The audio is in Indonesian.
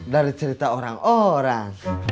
dari cerita orang orang